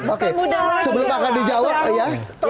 oke sebelum akan dijawab ya